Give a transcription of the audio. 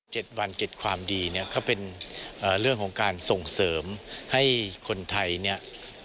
เจ็ดวันเจ็ดความดีก็เป็นเรื่องของการส่งเสริมให้คนไทย